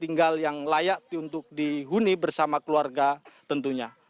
tinggal yang layak untuk dihuni bersama keluarga tentunya